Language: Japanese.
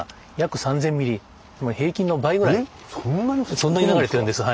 そんなに降ってるんですか。